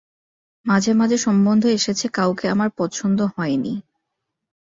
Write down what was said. মাঝে মাঝে সম্বন্ধ এসেছে, কাউকে আমার পছন্দ হয় নি।